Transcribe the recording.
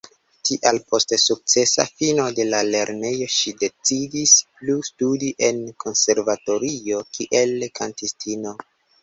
Tial post sukcesa fino de lernejo ŝi decidis plu studi en konservatorio kiel kantistino.